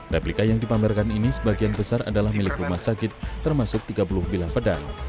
replika yang dipamerkan ini sebagian besar adalah milik rumah sakit termasuk tiga puluh bilah pedang